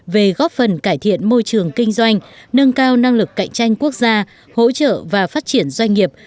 về góp phần cải thiện môi trường kinh doanh nâng cao năng lực cạnh tranh quốc gia hỗ trợ và phát triển doanh nghiệp